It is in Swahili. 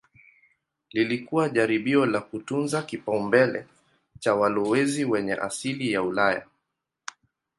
Lilikuwa jaribio la kutunza kipaumbele cha walowezi wenye asili ya Ulaya.